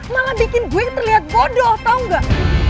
malah bikin gue terlihat bodoh tau gak